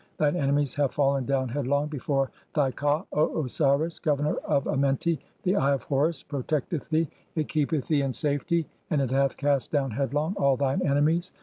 Thine enemies have fallen down headlong before thy "Ka, O Osiris, governor of (12) Amenti, the Eye of Horus pro "tecteth thee, it keepeth thee in safety, and it hath cast down "headlong all thine enemies.